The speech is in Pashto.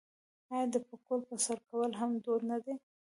آیا د پکول په سر کول هم دود نه دی؟